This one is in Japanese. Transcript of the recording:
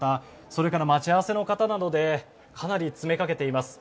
それから待ち合わせの方などでかなり詰めかけています。